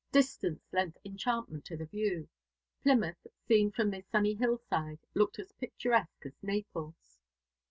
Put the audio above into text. Distance lent enchantment to the view. Plymouth, seen from this sunny hillside, looked as picturesque as Naples.